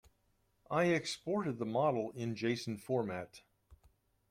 I exported the model in json format.